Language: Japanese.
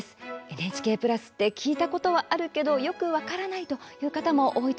ＮＨＫプラスって聞いたことはあるけどよく分からないという方も多いと思います。